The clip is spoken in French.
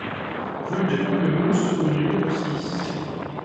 Rue des Pamplemousses au numéro six